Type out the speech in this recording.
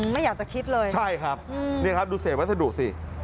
ไม่อยากจะคิดเลยใช่ครับดูเสพวัสดุสิ